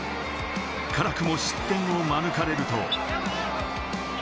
辛くも失点を免れると。